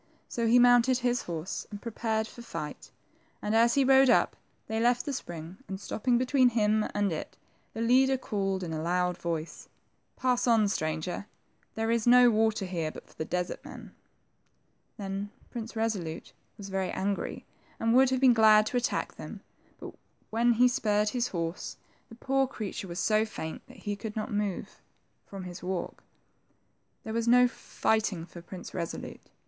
So he mounted his horse and prepared for fight, and as he rode up, they left the spring, and stopping between him and it, the leader called in a loud voice, Pass on,, stranger. There is no water here but for the desert men." Then Prince Resolute was very angry, and would have been glad to attack them, but when he spurred his horse, the poor creature was so faint that he could not move from his walk. There was no fighting for Prince Resolute.